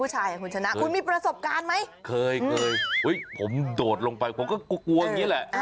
ห้ามปล่อยมือหน่อย